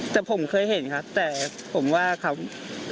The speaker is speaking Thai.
แต่ผมเคยเห็นครับแต่ผมว่าครับ